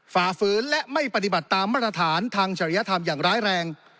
ฝ่าฝืนและไม่ปฏิบัติตามมาตรฐานทางจริยธรรมอย่างร้ายแรง